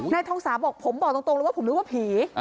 ทองสาบอกผมบอกตรงเลยว่าผมนึกว่าผี